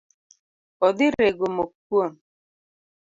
Odhi rego mok kuon.